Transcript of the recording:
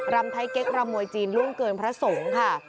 รำไทยเก๊กรำมวยจีนล่วงเกินพระสงฆ์ค่ะ